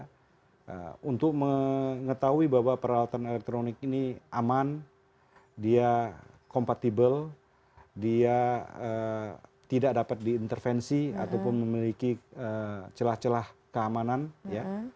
jadi untuk mengetahui bahwa peralatan elektronik ini aman dia kompatibel dia tidak dapat diintervensi ataupun memiliki celah celah keamanan ya